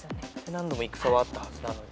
何度も戦はあったはずなので。